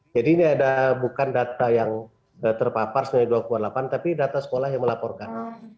jadi ini bukan data yang terpapar tapi data sekolah yang melaporkan